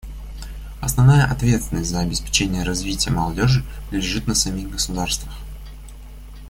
Основная ответственность за обеспечение развития молодежи лежит на самих государствах.